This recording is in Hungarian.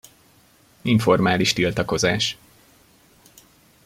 Informális tiltakozás.